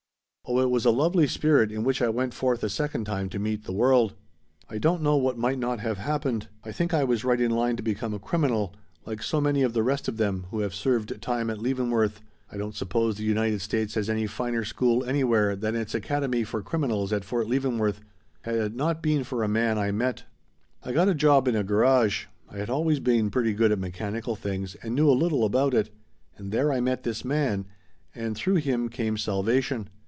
Oh it was a lovely spirit in which I went forth a second time to meet the world. "I don't know what might not have happened, I think I was right in line to become a criminal, like so many of the rest of them who have served time at Leavenworth I don't suppose the United States has any finer school anywhere than its academy for criminals at Fort Leavenworth had it not been for a man I met. "I got a job in a garage. I had always been pretty good at mechanical things and knew a little about it. And there I met this man and through him came salvation.